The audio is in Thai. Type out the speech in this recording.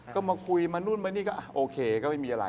ก็มาคุยมานู่นมานี่ก็โอเคก็ไม่มีอะไร